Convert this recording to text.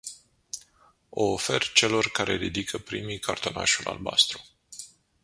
O ofer celor care ridică primii cartonașul albastru.